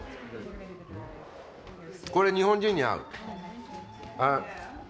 これ日本人に合う。